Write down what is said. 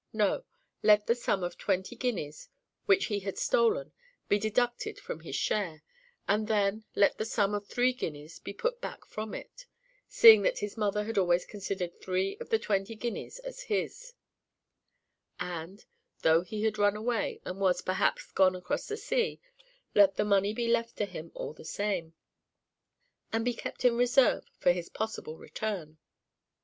No; let the sum of twenty guineas which he had stolen be deducted from his share, and then let the sum of three guineas be put back from it, seeing that his mother had always considered three of the twenty guineas as his; and, though he had run away, and was, perhaps, gone across the sea, let the money be left to him all the same, and be kept in reserve for his possible return.